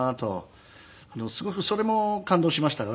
すごくそれも感動しましたから。